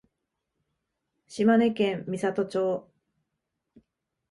島根県美郷町